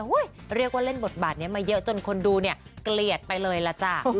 เรียกว่าเล่นบทบาทนี้มาเยอะจนคนดูเนี่ยเกลียดไปเลยล่ะจ้ะ